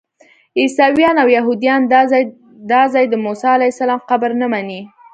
عیسویان او یهودیان دا ځای د موسی علیه السلام قبر نه مني.